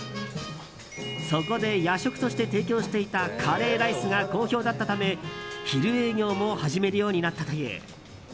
そこで夜食として提供していたカレーライスが好評だったため昼営業も始めるようになったという。